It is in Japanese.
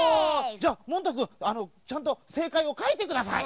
じゃあモンタくんちゃんとせいかいをかいてください。